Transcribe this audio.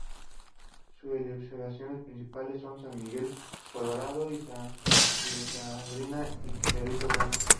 Sus elevaciones principales son San Miguel, Colorado, de Sanabria y Cerrito Blanco.